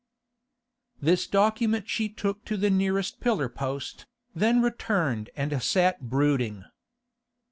This document she took to the nearest pillar post, then returned and sat brooding.